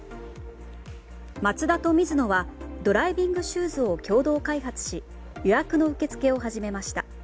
マツダとミズノはドライビングシューズを共同開発し予約の受け付けを始めました。